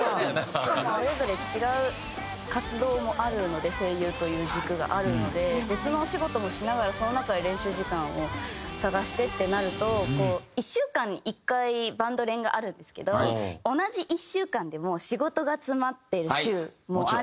それぞれ違う活動もあるので声優という軸があるので別のお仕事もしながらその中で練習時間を探してってなると１週間に１回バンド練があるんですけど同じ１週間でも。